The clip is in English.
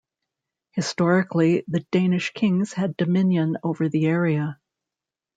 Historically the Danish kings had dominion over the area.